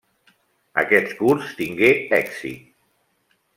Aquest curs tingué èxit.